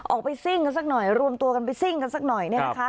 ออกไปซิ่งกันสักหน่อยรวมตัวกันไปซิ่งกันสักหน่อยเนี่ยนะคะ